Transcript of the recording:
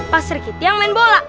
pasur kitih yang main bola